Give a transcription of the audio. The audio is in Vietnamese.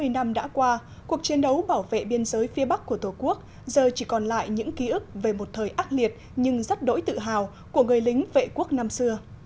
sáu mươi năm đã qua cuộc chiến đấu bảo vệ biên giới phía bắc của tổ quốc giờ chỉ còn lại những ký ức về một thời ác liệt nhưng rất đỗi tự hào của người lính vệ quốc năm xưa